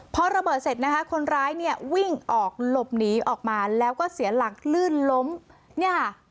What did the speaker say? พอระเบิดเสร็จนะคะคนร้ายเนี่ยวิ่งออกหลบหนีออกมาแล้วก็เสียหลักลื่นล้มเนี่ยค่ะ